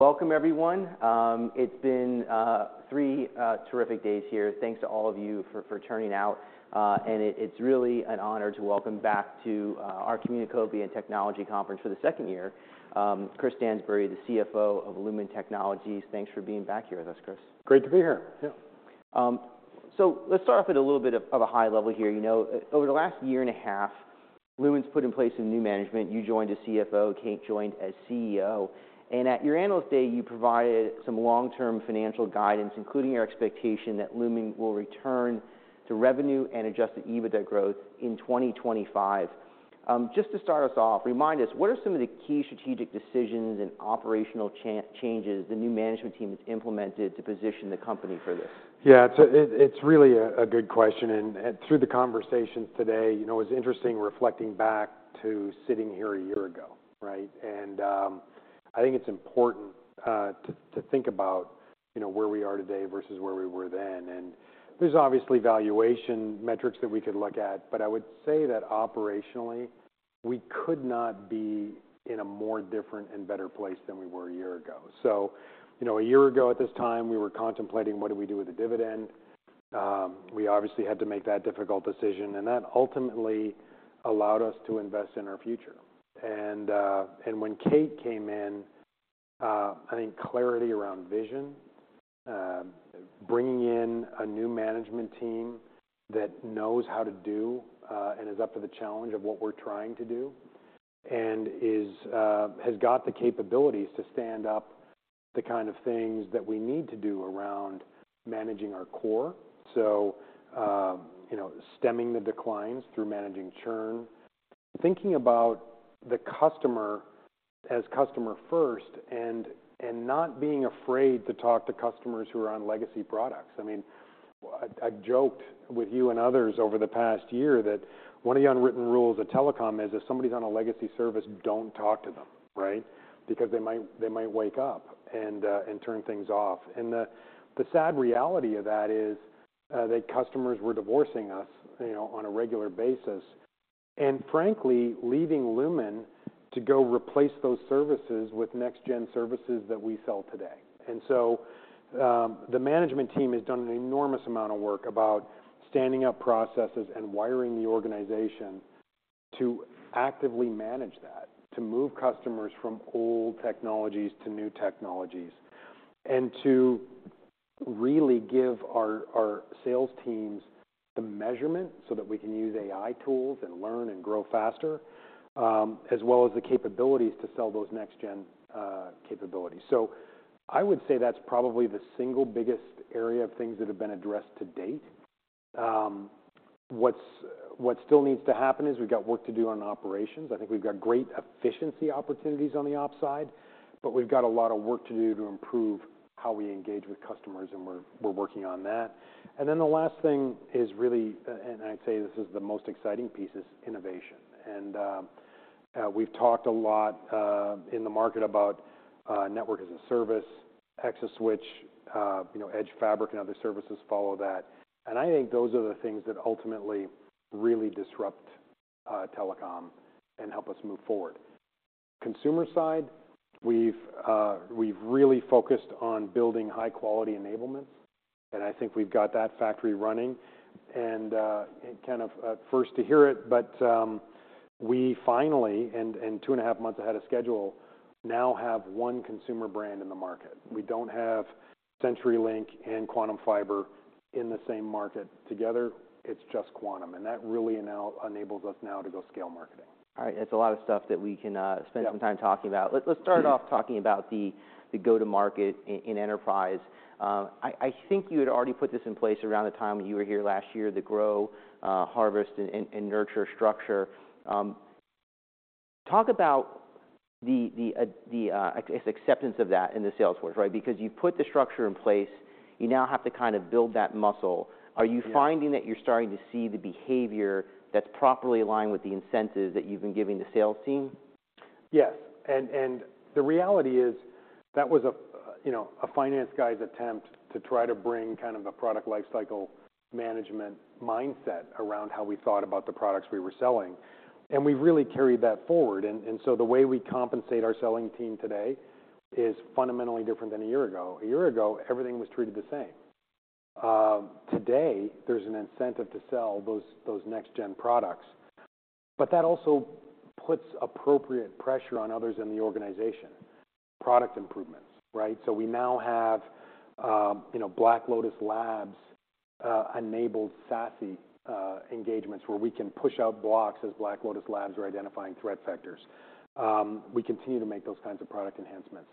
Welcome, everyone. It's been three terrific days here. Thanks to all of you for turning out. It's really an honor to welcome back to our Communicopia Technology Conference for the second year, Chris Stansbury, the CFO of Lumen Technologies. Thanks for being back here with us, Chris. Great to be here. Yeah. So let's start off with a little bit of a high level here. You know, over the last year and a half, Lumen's put in place a new management. You joined as CFO, Kate joined as CEO, and at your Analyst Day, you provided some long-term financial guidance, including your expectation that Lumen will return to revenue and adjusted EBITDA growth in 2025. Just to start us off, remind us, what are some of the key strategic decisions and operational changes the new management team has implemented to position the company for this? Yeah, it's really a good question, and through the conversations today, you know, it's interesting reflecting back to sitting here a year ago, right? And I think it's important to think about, you know, where we are today versus where we were then. And there's obviously valuation metrics that we could look at, but I would say that operationally, we could not be in a more different and better place than we were a year ago. So, you know, a year ago at this time, we were contemplating what do we do with the dividend. We obviously had to make that difficult decision, and that ultimately allowed us to invest in our future. When Kate came in, I think clarity around vision, bringing in a new management team that knows how to do and is up to the challenge of what we're trying to do, and has got the capabilities to stand up the kind of things that we need to do around managing our core. So, you know, stemming the declines through managing churn, thinking about the customer as customer first, and not being afraid to talk to customers who are on legacy products. I mean, I joked with you and others over the past year that one of the unwritten rules of telecom is, if somebody's on a legacy service, don't talk to them, right? Because they might wake up and turn things off. The sad reality of that is that customers were divorcing us, you know, on a regular basis, and frankly, leaving Lumen to go replace those services with next gen services that we sell today. So, the management team has done an enormous amount of work about standing up processes and wiring the organization to actively manage that, to move customers from old technologies to new technologies, and to really give our sales teams the measurement so that we can use AI tools and learn and grow faster, as well as the capabilities to sell those next gen capabilities. So I would say that's probably the single biggest area of things that have been addressed to date. What still needs to happen is we've got work to do on operations. I think we've got great efficiency opportunities on the op side, but we've got a lot of work to do to improve how we engage with customers, and we're working on that. And then the last thing is really, and I'd say this is the most exciting piece, is innovation. And we've talked a lot in the market about Network as a Service, ExaSwitch, you know, Edge Fabric and other services follow that. And I think those are the things that ultimately really disrupt telecom and help us move forward. Consumer side, we've really focused on building high-quality enablement, and I think we've got that factory running. And kind of first to hear it, but we finally, and two and a half months ahead of schedule, now have one consumer brand in the market. We don't have CenturyLink and Quantum Fiber in the same market together. It's just Quantum, and that really now enables us now to go scale marketing. All right. That's a lot of stuff that we can, Yeah... spend some time talking about. Let's start off talking about the go-to-market in enterprise. I think you had already put this in place around the time you were here last year, the Grow, Harvest, and Nurture structure. Talk about the acceptance of that in the sales force, right? Because you put the structure in place, you now have to kind of build that muscle. Yeah. Are you finding that you're starting to see the behavior that's properly aligned with the incentives that you've been giving the sales team? Yes, and the reality is that was a, you know, a finance guy's attempt to try to bring kind of a product lifecycle management mindset around how we thought about the products we were selling, and we really carried that forward. And so the way we compensate our selling team today is fundamentally different than a year ago. A year ago, everything was treated the same. Today, there's an incentive to sell those next gen products, but that also puts appropriate pressure on others in the organization. Product improvements, right? So we now have, you know, Black Lotus Labs enabled SASE engagements, where we can push out blocks as Black Lotus Labs are identifying threat vectors. We continue to make those kinds of product enhancements.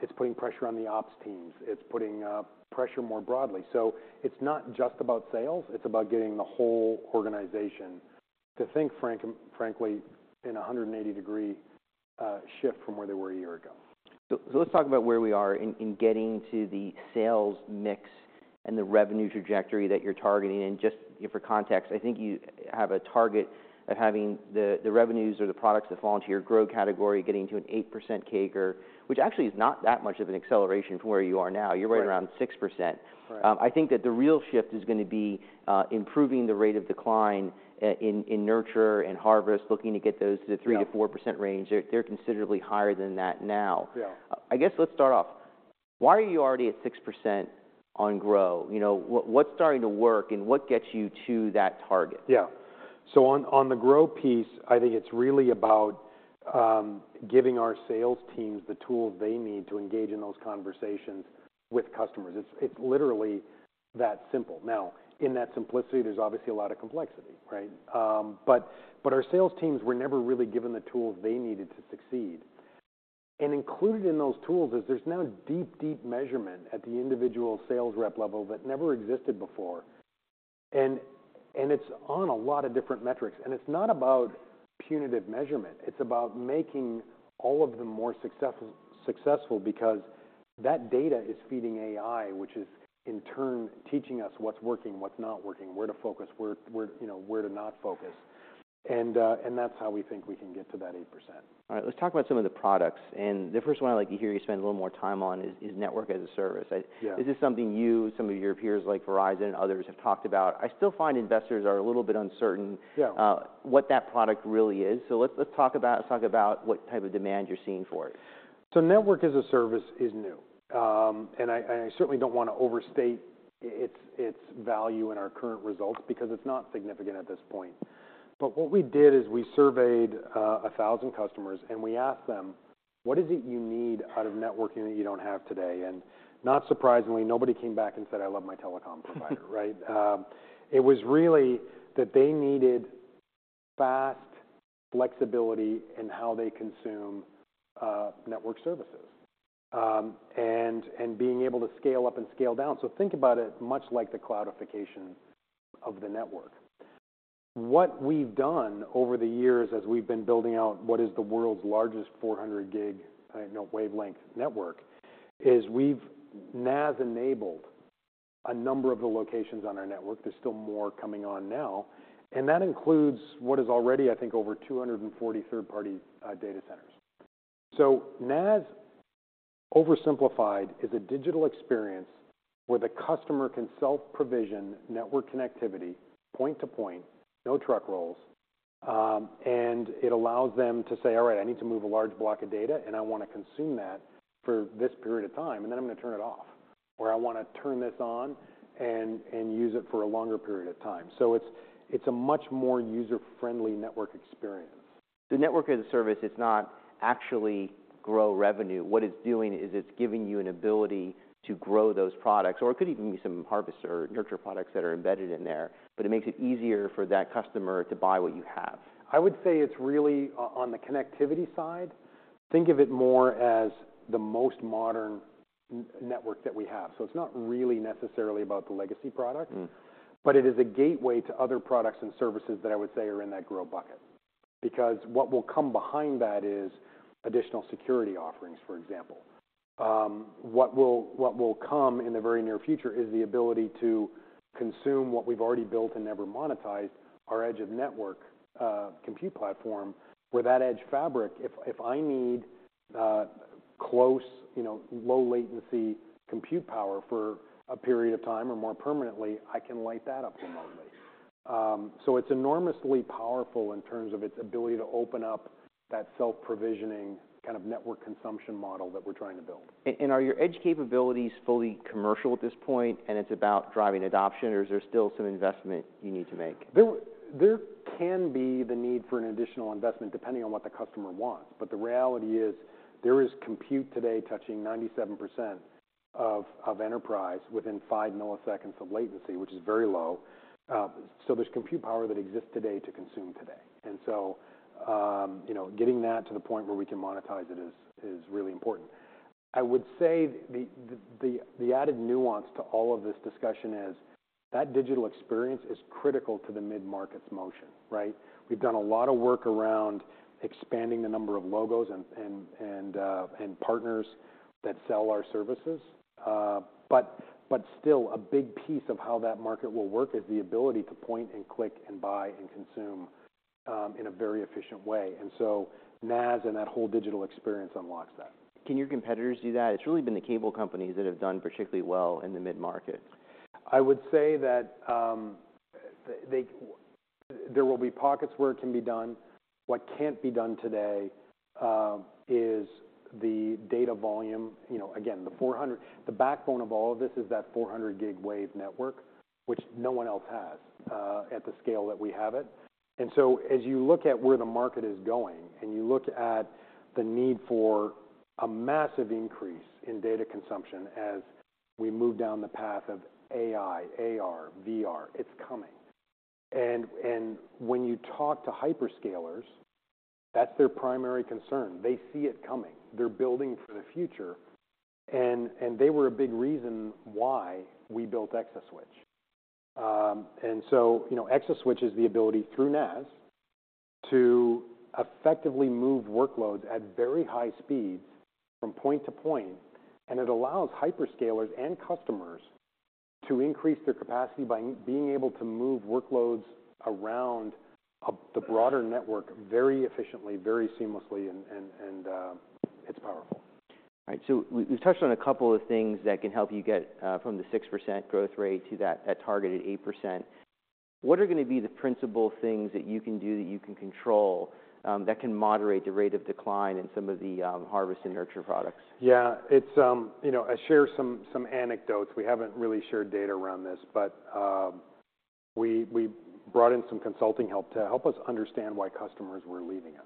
It's putting pressure on the ops teams. It's putting pressure more broadly. So it's not just about sales, it's about getting the whole organization to think frankly in a 180-degree shift from where they were a year ago. So let's talk about where we are in getting to the sales mix and the revenue trajectory that you're targeting. And just for context, I think you have a target of having the revenues or the products that fall into your growth category, getting to an 8% CAGR, which actually is not that much of an acceleration from where you are now. Right. You're right around 6%. Right. I think that the real shift is going to be improving the rate of decline in Nurture and Harvest, looking to get those to the- Yeah... 3%-4% range. They're considerably higher than that now. Yeah. I guess, let's start off. Why are you already at 6% on growth? You know, what's starting to work, and what gets you to that target? Yeah. So on the Grow piece, I think it's really about giving our sales teams the tools they need to engage in those conversations with customers. It's literally that simple. Now, in that simplicity, there's obviously a lot of complexity, right? But our sales teams were never really given the tools they needed to succeed. And included in those tools is there's now a deep measurement at the individual sales rep level that never existed before. And it's on a lot of different metrics, and it's not about punitive measurement, it's about making all of them more successful, because that data is feeding AI, which is, in turn, teaching us what's working, what's not working, where to focus, where you know, where to not focus, and that's how we think we can get to that 8%. All right, let's talk about some of the products, and the first one I'd like to hear you spend a little more time on is Network as a Service. Yeah. This is something you, some of your peers, like Verizon and others, have talked about. I still find investors are a little bit uncertain- Yeah... what that product really is. So let's talk about what type of demand you're seeing for it. So Network as a Service is new. I certainly don't want to overstate its value in our current results, because it's not significant at this point. But what we did is we surveyed 1,000 customers, and we asked them: What is it you need out of networking that you don't have today? And not surprisingly, nobody came back and said, "I love my telecom provider," right? It was really that they needed fast flexibility in how they consume network services, and being able to scale up and scale down. So think about it much like the cloudification of the network. What we've done over the years as we've been building out what is the world's largest 400 gig, you know, wavelength network, is we've NaaS-enabled a number of the locations on our network. There's still more coming on now, and that includes what is already, I think, over 240 third-party data centers. So NaaS, oversimplified, is a digital experience where the customer can self-provision network connectivity, point to point, no truck rolls, and it allows them to say, "All right, I need to move a large block of data, and I want to consume that for this period of time, and then I'm going to turn it off," or, "I want to turn this on and, and use it for a longer period of time." So it's, it's a much more user-friendly network experience. So Network as a Service is not actually Grow revenue. What it's doing is it's giving you an ability to grow those products, or it could even be some harvest or nurture products that are embedded in there, but it makes it easier for that customer to buy what you have. I would say it's really on the connectivity side. Think of it more as the most modern network that we have. So it's not really necessarily about the legacy product- Mm. But it is a gateway to other products and services that I would say are in that grow bucket. Because what will come behind that is additional security offerings, for example. What will come in the very near future is the ability to consume what we've already built and never monetized, our edge-of-network compute platform, where that Edge Fabric, if I need close, you know, low latency, compute power for a period of time or more permanently, I can light that up remotely. So it's enormously powerful in terms of its ability to open up that self-provisioning kind of network consumption model that we're trying to build. Are your edge capabilities fully commercial at this point, and it's about driving adoption, or is there still some investment you need to make? There can be the need for an additional investment, depending on what the customer wants, but the reality is there is compute today touching 97% of enterprise within 5 milliseconds of latency, which is very low. So there's compute power that exists today to consume today. And so, you know, getting that to the point where we can monetize it is really important. I would say the added nuance to all of this discussion is that digital experience is critical to the mid-market's motion, right? We've done a lot of work around expanding the number of logos and partners that sell our services. But still a big piece of how that market will work is the ability to point and click and buy and consume, in a very efficient way, and so NaaS and that whole digital experience unlocks that. Can your competitors do that? It's really been the cable companies that have done particularly well in the mid-market. I would say that they-- there will be pockets where it can be done. What can't be done today is the data volume. You know, again, the 400... The backbone of all of this is that 400 gig wave network, which no one else has at the scale that we have it. And so as you look at where the market is going, and you look at the need for a massive increase in data consumption as we move down the path of AI, AR, VR, it's coming. And, and when you talk to hyperscalers, that's their primary concern. They see it coming. They're building for the future, and, and they were a big reason why we built ExaSwitch. And so, you know, ExaSwitch is the ability, through NaaS, to effectively move workloads at very high speeds from point to point, and it allows hyperscalers and customers to increase their capacity by being able to move workloads around the broader network very efficiently, very seamlessly, and it's powerful. All right, so we, we've touched on a couple of things that can help you get from the 6% growth rate to that, that targeted 8%.... What are going to be the principal things that you can do, that you can control, that can moderate the rate of decline in some of the harvest and nurture products? Yeah, it's, you know, I share some anecdotes. We haven't really shared data around this, but we brought in some consulting help to help us understand why customers were leaving us.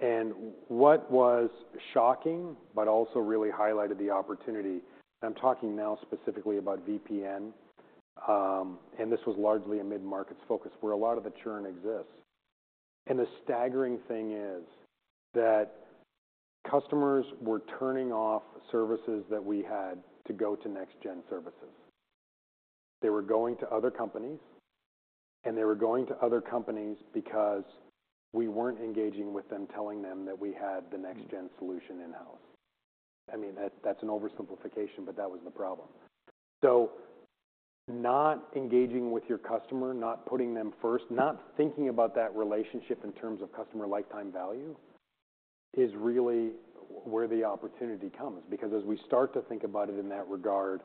And what was shocking, but also really highlighted the opportunity, I'm talking now specifically about VPN, and this was largely a mid-markets focus where a lot of the churn exists. And the staggering thing is that customers were turning off services that we had to go to next gen services. They were going to other companies, and they were going to other companies because we weren't engaging with them, telling them that we had the next gen solution in-house. I mean, that's an oversimplification, but that was the problem. So not engaging with your customer, not putting them first, not thinking about that relationship in terms of customer lifetime value, is really where the opportunity comes, because as we start to think about it in that regard,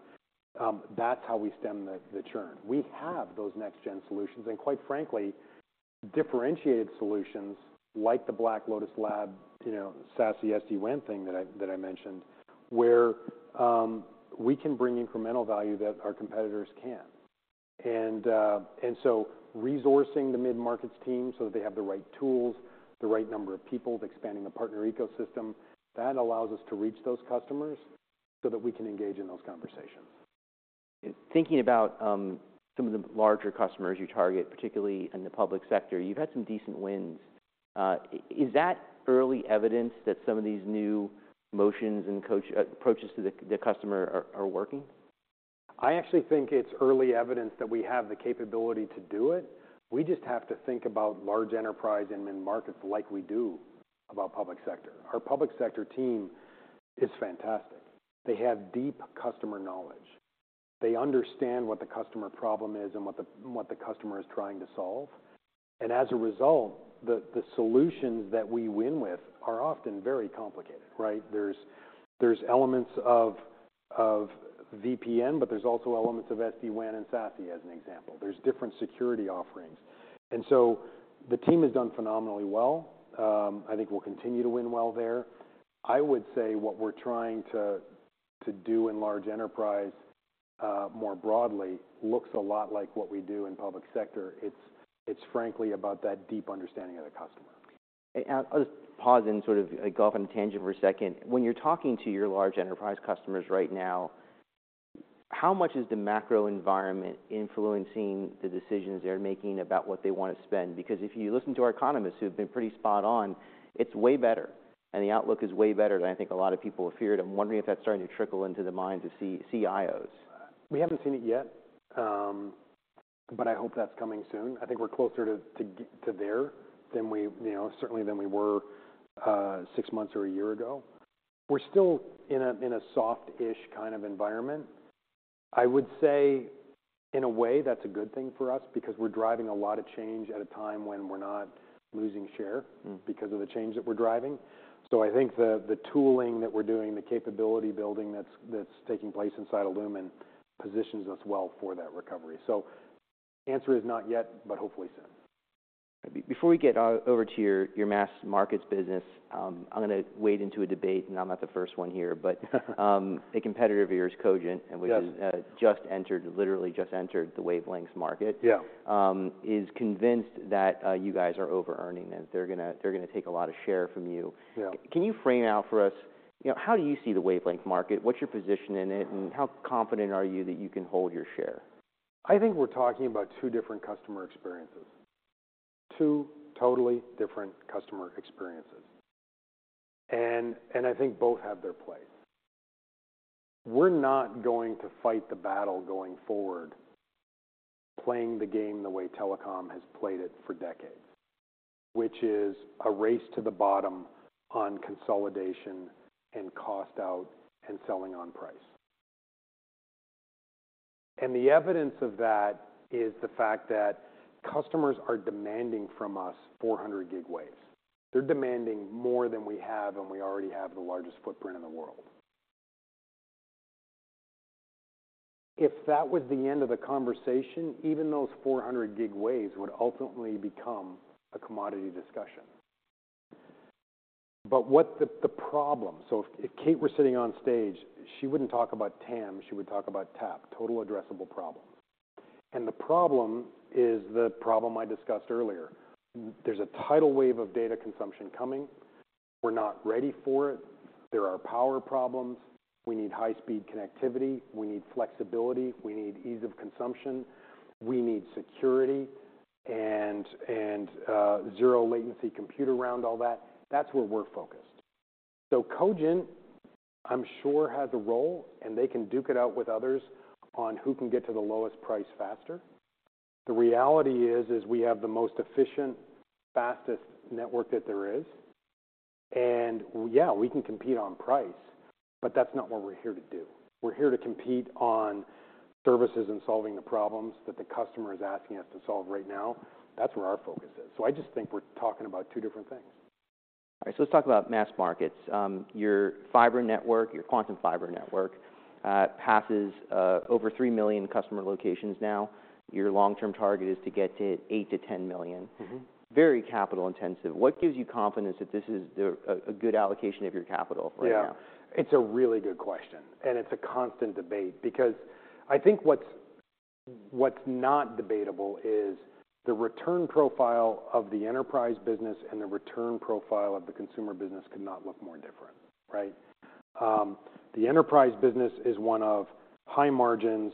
that's how we stem the churn. We have those next gen solutions, and quite frankly, differentiated solutions like the Black Lotus Labs, you know, SASE SD-WAN thing that I mentioned, where we can bring incremental value that our competitors can't. And so resourcing the mid-markets team so that they have the right tools, the right number of people, expanding the partner ecosystem, that allows us to reach those customers so that we can engage in those conversations. Thinking about some of the larger customers you target, particularly in the public sector, you've had some decent wins. Is that early evidence that some of these new motions and approaches to the customer are working? I actually think it's early evidence that we have the capability to do it. We just have to think about large enterprise and mid-markets like we do about public sector. Our public sector team is fantastic. They have deep customer knowledge. They understand what the customer problem is and what the customer is trying to solve. And as a result, the solutions that we win with are often very complicated, right? There's elements of VPN, but there's also elements of SD-WAN and SASE, as an example. There's different security offerings. And so the team has done phenomenally well. I think we'll continue to win well there. I would say what we're trying to do in large enterprise, more broadly, looks a lot like what we do in public sector. It's frankly about that deep understanding of the customer. I'll just pause and sort of go off on a tangent for a second. When you're talking to your large enterprise customers right now, how much is the macro environment influencing the decisions they're making about what they want to spend? Because if you listen to our economists, who've been pretty spot on, it's way better, and the outlook is way better than I think a lot of people feared. I'm wondering if that's starting to trickle into the minds of CIOs. We haven't seen it yet, but I hope that's coming soon. I think we're closer to there than we, you know, certainly than we were six months or a year ago. We're still in a soft-ish kind of environment. I would say, in a way, that's a good thing for us because we're driving a lot of change at a time when we're not losing share- Mm. Because of the change that we're driving. So I think the tooling that we're doing, the capability building that's taking place inside of Lumen, positions us well for that recovery. So the answer is not yet, but hopefully soon. Before we get over to your mass markets business, I'm going to wade into a debate, and I'm not the first one here, but a competitor of yours, Cogent- Yes -and which has just entered, literally just entered the wavelengths market- Yeah... is convinced that you guys are overearning, and they're gonna take a lot of share from you. Yeah. Can you frame out for us, you know, how do you see the wavelength market? What's your position in it, and how confident are you that you can hold your share? I think we're talking about two different customer experiences. Two totally different customer experiences, and, and I think both have their place. We're not going to fight the battle going forward, playing the game the way telecom has played it for decades, which is a race to the bottom on consolidation and cost out, and selling on price. The evidence of that is the fact that customers are demanding from us 400 gig waves. They're demanding more than we have, and we already have the largest footprint in the world. If that was the end of the conversation, even those 400 gig waves would ultimately become a commodity discussion. But what the, the problem. So if, if Kate were sitting on stage, she wouldn't talk about TAM, she would talk about TAP, Total Addressable Problem. The problem is the problem I discussed earlier. There's a tidal wave of data consumption coming. We're not ready for it. There are power problems. We need high-speed connectivity. We need flexibility. We need ease of consumption. We need security and, and, zero latency compute around all that. That's where we're focused. So Cogent, I'm sure, has a role, and they can duke it out with others on who can get to the lowest price faster. The reality is, is we have the most efficient, fastest network that there is, and yeah, we can compete on price, but that's not what we're here to do. We're here to compete on services and solving the problems that the customer is asking us to solve right now. That's where our focus is. So I just think we're talking about two different things. ... All right, so let's talk about mass markets. Your fiber network, your Quantum Fiber network, passes over 3 million customer locations now. Your long-term target is to get to 8-10 million. Mm-hmm. Very capital intensive. What gives you confidence that this is the, a good allocation of your capital right now? Yeah, it's a really good question, and it's a constant debate because I think what's not debatable is the return profile of the enterprise business and the return profile of the consumer business could not look more different, right? The enterprise business is one of high margins,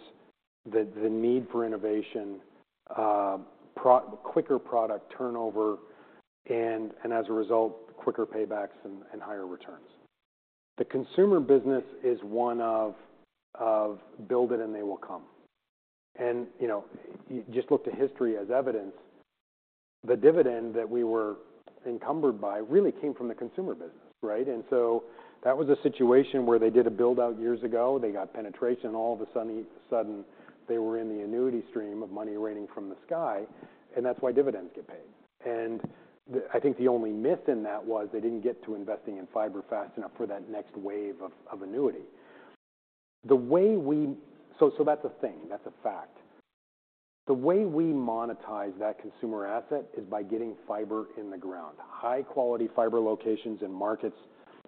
the need for innovation, quicker product turnover, and as a result, quicker paybacks and higher returns. The consumer business is one of build it and they will come. And, you know, you just look to history as evidence. The dividend that we were encumbered by really came from the consumer business, right? And so that was a situation where they did a build-out years ago, they got penetration. All of a sudden, they were in the annuity stream of money raining from the sky, and that's why dividends get paid. I think the only myth in that was they didn't get to investing in fiber fast enough for that next wave of annuity. So that's a thing, that's a fact. The way we monetize that consumer asset is by getting fiber in the ground, high-quality fiber locations in markets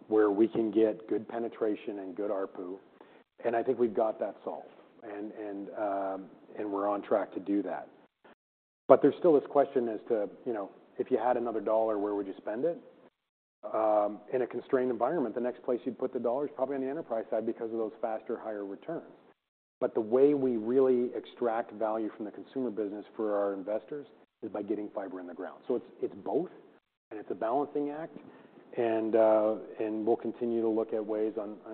where we can get good penetration and good ARPU, and I think we've got that solved, and we're on track to do that. But there's still this question as to, you know, if you had another dollar, where would you spend it? In a constrained environment, the next place you'd put the dollar is probably on the enterprise side because of those faster, higher returns. But the way we really extract value from the consumer business for our investors is by getting fiber in the ground. So it's both, and it's a balancing act, and we'll continue to look at ways,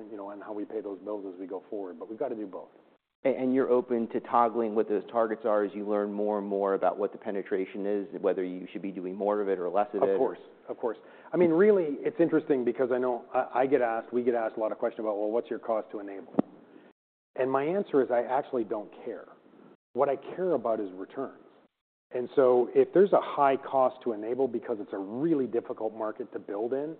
you know, on how we pay those bills as we go forward, but we've got to do both. And you're open to toggling what those targets are as you learn more and more about what the penetration is, whether you should be doing more of it or less of it? Of course, of course. I mean, really, it's interesting because I know we get asked a lot of questions about, "Well, what's your cost to enable?" And my answer is, I actually don't care. What I care about is returns. And so if there's a high cost to enable because it's a really difficult market to build in,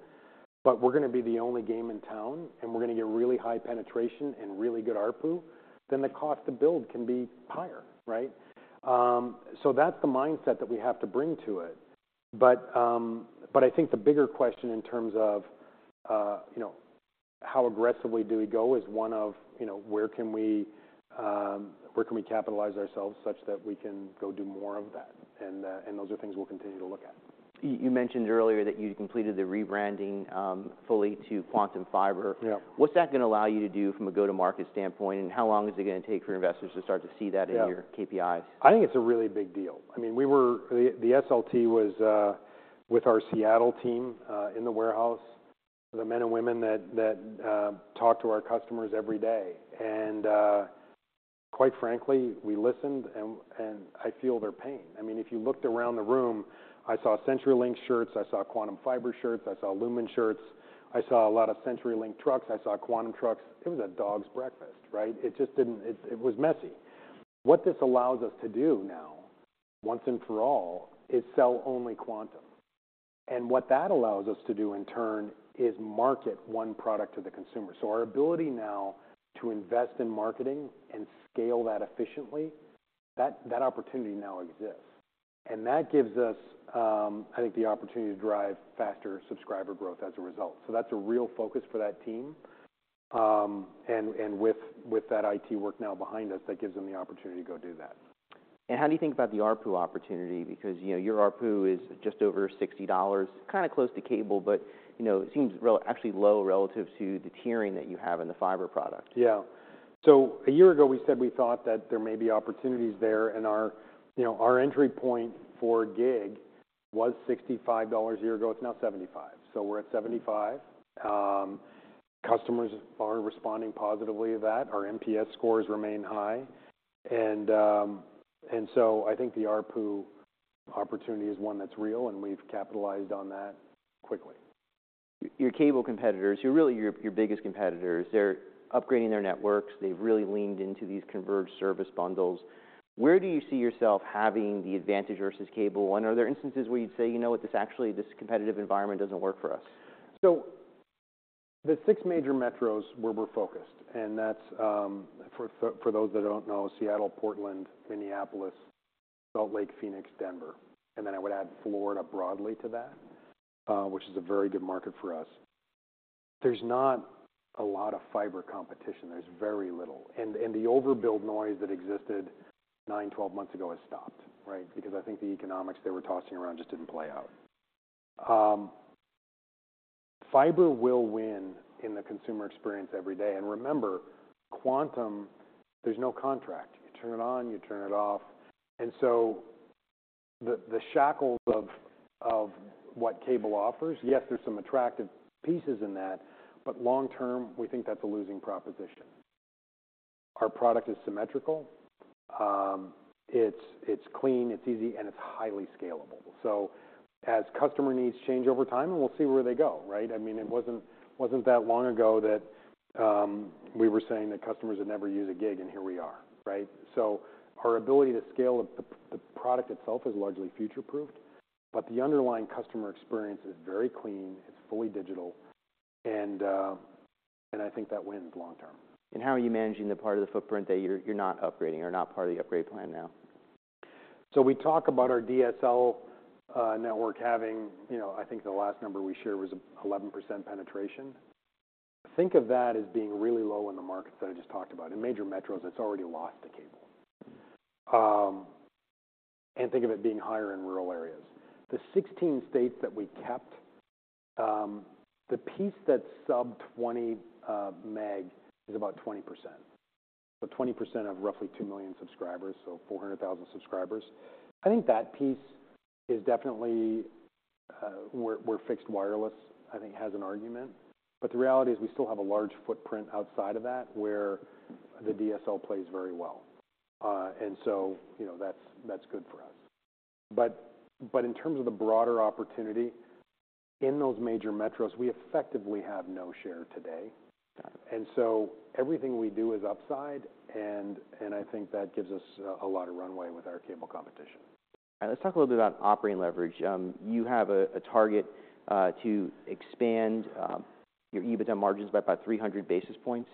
but we're gonna be the only game in town, and we're gonna get really high penetration and really good ARPU, then the cost to build can be higher, right? So that's the mindset that we have to bring to it. But I think the bigger question in terms of, you know, how aggressively do we go is one of, you know, where can we where can we capitalize ourselves such that we can go do more of that? And those are things we'll continue to look at. You mentioned earlier that you completed the rebranding fully to Quantum Fiber. Yeah. What's that gonna allow you to do from a go-to-market standpoint? And how long is it gonna take for investors to start to see that- Yeah... in your KPIs? I think it's a really big deal. I mean, the SLT was with our Seattle team in the warehouse, the men and women that talk to our customers every day. Quite frankly, we listened, and I feel their pain. I mean, if you looked around the room, I saw CenturyLink shirts, I saw Quantum Fiber shirts, I saw Lumen shirts. I saw a lot of CenturyLink trucks. I saw Quantum trucks. It was a dog's breakfast, right? It just didn't. It was messy. What this allows us to do now, once and for all, is sell only Quantum. What that allows us to do, in turn, is market one product to the consumer. Our ability now to invest in marketing and scale that efficiently, that opportunity now exists. That gives us, I think, the opportunity to drive faster subscriber growth as a result. So that's a real focus for that team. And with that IT work now behind us, that gives them the opportunity to go do that. How do you think about the ARPU opportunity? Because, you know, your ARPU is just over $60, kind of close to cable, but, you know, it seems relatively actually low relative to the tiering that you have in the fiber product. Yeah. So a year ago, we said we thought that there may be opportunities there, and our, you know, our entry point for Gig was $65 a year ago. It's now $75. So we're at $75. Customers are responding positively to that. Our NPS scores remain high. And so I think the ARPU opportunity is one that's real, and we've capitalized on that quickly. Your cable competitors, who are really your biggest competitors, they're upgrading their networks. They've really leaned into these converged service bundles. Where do you see yourself having the advantage versus cable, and are there instances where you'd say: "You know what? This actually, this competitive environment doesn't work for us? So the six major metros where we're focused, and that's for those that don't know, Seattle, Portland, Minneapolis, Salt Lake, Phoenix, Denver, and then I would add Florida broadly to that, which is a very good market for us. There's not a lot of fiber competition. There's very little, and the overbuild noise that existed 9, 12 months ago has stopped, right? Because I think the economics they were tossing around just didn't play out. Fiber will win in the consumer experience every day, and remember, Quantum, there's no contract. You turn it on, you turn it off, and so the shackles of what cable offers, yes, there's some attractive pieces in that, but long term, we think that's a losing proposition. Our product is symmetrical, it's clean, it's easy, and it's highly scalable. So as customer needs change over time, we'll see where they go, right? I mean, it wasn't that long ago that we were saying that customers would never use a gig, and here we are, right? So our ability to scale the product itself is largely future-proofed, but the underlying customer experience is very clean, it's fully digital, and I think that wins long term. How are you managing the part of the footprint that you're not upgrading or not part of the upgrade plan now? So we talk about our DSL network having, you know, I think the last number we shared was 11% penetration. Think of that as being really low in the markets that I just talked about. In major metros, it's already lost to cable. And think of it being higher in rural areas. The 16 states that we kept, the piece that's sub 20 meg is about 20%. So 20% of roughly 2 million subscribers, so 400,000 subscribers. I think that piece is definitely where fixed wireless, I think, has an argument. But the reality is we still have a large footprint outside of that, where the DSL plays very well. And so, you know, that's good for us. But in terms of the broader opportunity, in those major metros, we effectively have no share today. Got it. And so everything we do is upside, and I think that gives us a lot of runway with our cable competition. Let's talk a little bit about operating leverage. You have a target to expand your EBITDA margins by about 300 basis points.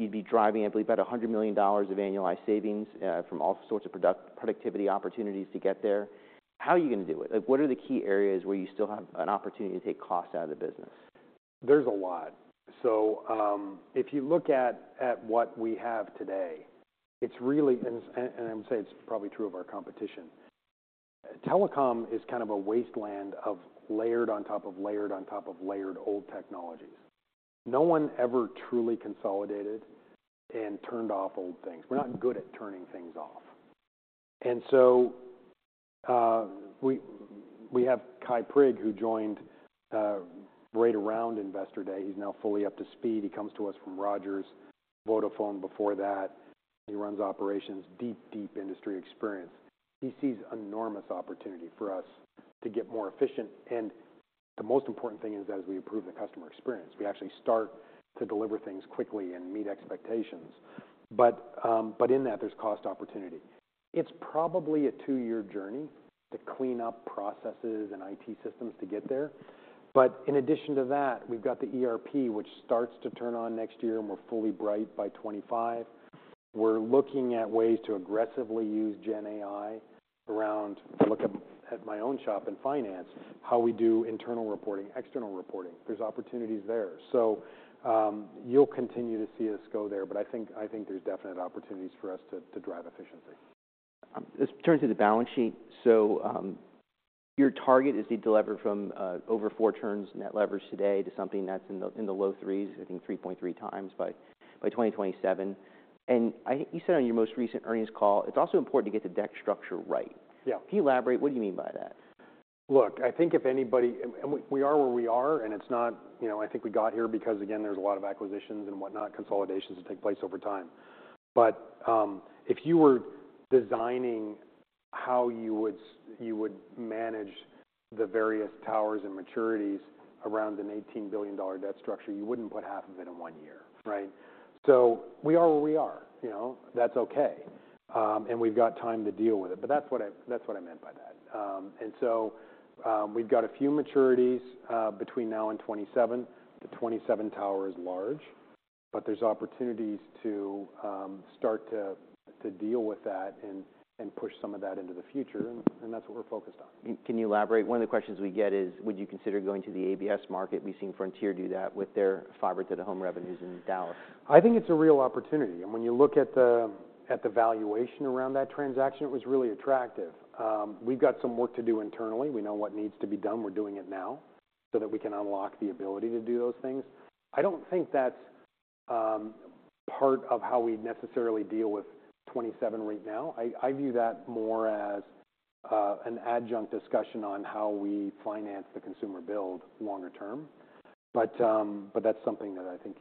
You'd be driving, I believe, about $100 million of annualized savings from all sorts of product-productivity opportunities to get there. How are you going to do it? Like, what are the key areas where you still have an opportunity to take costs out of the business? There's a lot. So, if you look at what we have today, it's really... and I would say it's probably true of our competition. Telecom is kind of a wasteland of layered on top of layered, on top of layered old technologies. No one ever truly consolidated and turned off old things. We're not good at turning things off. And so, we have Kye Prigg, who joined right around Investor Day. He's now fully up to speed. He comes to us from Rogers, Vodafone before that. He runs operations, deep, deep industry experience. He sees enormous opportunity for us to get more efficient, and the most important thing is that as we improve the customer experience, we actually start to deliver things quickly and meet expectations. But in that, there's cost opportunity. It's probably a two-year journey to clean up processes and IT systems to get there. But in addition to that, we've got the ERP, which starts to turn on next year, and we're fully right by 2025. We're looking at ways to aggressively use Gen AI around, if I look at my own shop in finance, how we do internal reporting, external reporting, there's opportunities there. So, you'll continue to see us go there, but I think there's definite opportunities for us to drive efficiency. Let's turn to the balance sheet. So, your target is to delever from over 4 turns net leverage today to something that's in the low threes, I think 3.3 times by 2027. You said on your most recent earnings call, "It's also important to get the debt structure right. Yeah. Can you elaborate? What do you mean by that? Look, I think if anybody and we are where we are, and it's not, you know, I think we got here because, again, there's a lot of acquisitions and whatnot, consolidations that take place over time. But if you were designing how you would manage the various towers and maturities around an $18 billion debt structure, you wouldn't put half of it in one year, right? So we are where we are, you know? That's okay, and we've got time to deal with it. But that's what I meant by that. And so, we've got a few maturities between now and 2027. The 2027 tower is large, but there's opportunities to start to deal with that and push some of that into the future, and that's what we're focused on. Can you elaborate? One of the questions we get is: would you consider going to the ABS market? We've seen Frontier do that with their fiber to the home revenues in Dallas. I think it's a real opportunity, and when you look at the valuation around that transaction, it was really attractive. We've got some work to do internally. We know what needs to be done. We're doing it now so that we can unlock the ability to do those things. I don't think that's part of how we'd necessarily deal with 27 right now. I, I view that more as an adjunct discussion on how we finance the consumer build longer term. But, but that's something that I think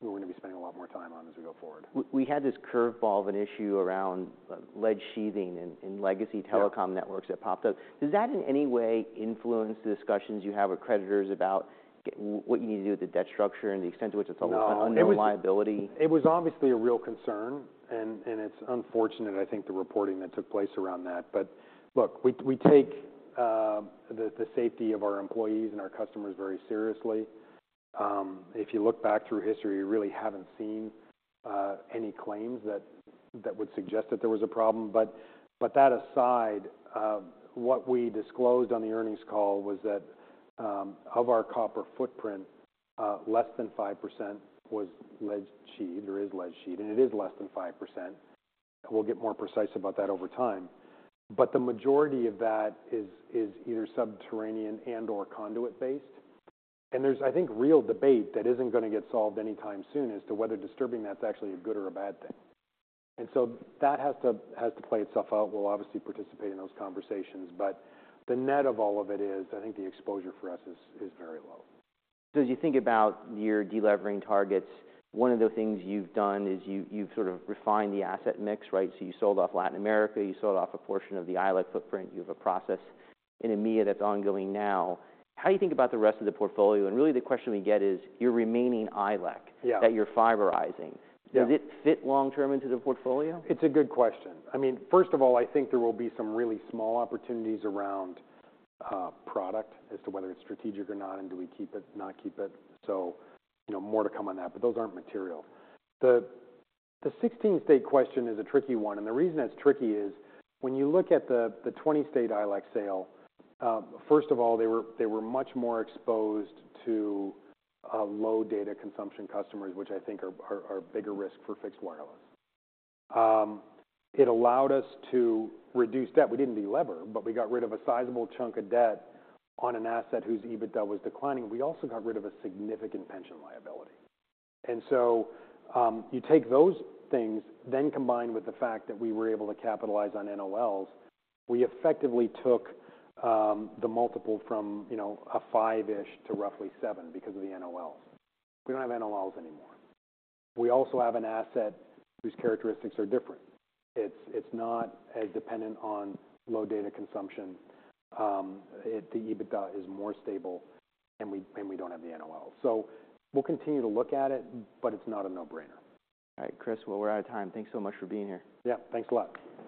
we're going to be spending a lot more time on as we go forward. We had this curveball of an issue around lead sheathing in legacy telecom- Yeah networks that popped up. Does that in any way influence the discussions you have with creditors about what you need to do with the debt structure and the extent to which it's a whole- No. - underlying liability? It was obviously a real concern, and it's unfortunate, I think, the reporting that took place around that. But look, we take the safety of our employees and our customers very seriously. If you look back through history, you really haven't seen any claims that would suggest that there was a problem. But that aside, what we disclosed on the earnings call was that of our copper footprint, less than 5% was lead sheathed or is lead sheathed, and it is less than 5%. We'll get more precise about that over time. But the majority of that is either subterranean and/or conduit based. And there's, I think, real debate that isn't going to get solved anytime soon as to whether disturbing that is actually a good or a bad thing. And so that has to play itself out. We'll obviously participate in those conversations, but the net of all of it is, I think the exposure for us is very low. So as you think about your delevering targets, one of the things you've done is you've sort of refined the asset mix, right? So you sold off Latin America, you sold off a portion of the ILEC footprint. You have a process in EMEA that's ongoing now. How do you think about the rest of the portfolio? And really, the question we get is, your remaining ILEC- Yeah... that you're fiberizing- Yeah Does it fit long-term into the portfolio? It's a good question. I mean, first of all, I think there will be some really small opportunities around, product as to whether it's strategic or not, and do we keep it, not keep it. So, you know, more to come on that, but those aren't material. The sixteen-state question is a tricky one, and the reason that's tricky is when you look at the twenty-state ILEC sale, first of all, they were much more exposed to low data consumption customers, which I think are bigger risk for fixed wireless. It allowed us to reduce debt. We didn't delever, but we got rid of a sizable chunk of debt on an asset whose EBITDA was declining. We also got rid of a significant pension liability. And so, you take those things, then combined with the fact that we were able to capitalize on NOLs, we effectively took the multiple from, you know, a 5-ish to roughly 7 because of the NOLs. We don't have NOLs anymore. We also have an asset whose characteristics are different. It's, it's not as dependent on low data consumption. It, the EBITDA is more stable, and we, and we don't have the NOLs. So we'll continue to look at it, but it's not a no-brainer. All right, Chris, well, we're out of time. Thanks so much for being here. Yeah, thanks a lot.